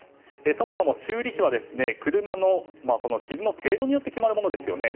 そもそも修理費は車の傷の程度によって決まるものですよね。